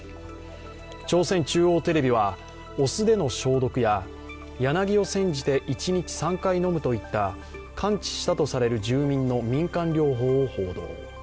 朝鮮中央テレビは、お酢での消毒や柳を煎じて１日３回飲むといった完治したとされる住民の民間療法を報道。